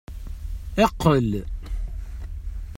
Eqqel!